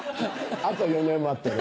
あと４年待ってね。